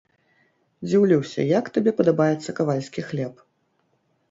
Дзіўлюся, як табе падабаецца кавальскі хлеб?